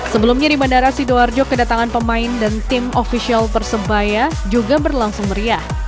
sebelumnya di bandara sidoarjo kedatangan pemain dan tim ofisial persebaya juga berlangsung meriah